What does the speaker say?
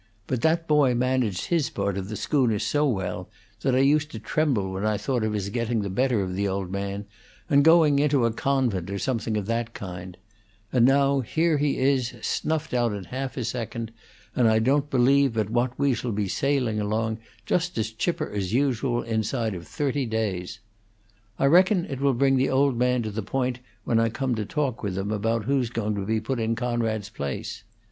But that boy managed his part of the schooner so well that I used to tremble when I thought of his getting the better of the old man and going into a convent or something of that kind; and now here he is, snuffed out in half a second, and I don't believe but what we shall be sailing along just as chipper as usual inside of thirty days. I reckon it will bring the old man to the point when I come to talk with him about who's to be put in Coonrod's place.